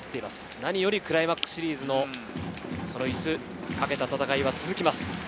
何よりクライマックスシリーズのイスを懸けた戦いは続きます。